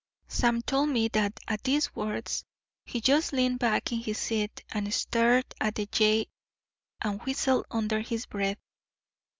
"Sam told me that at them words he just leaned back in his seat and stared at the jay and whistled under his breath.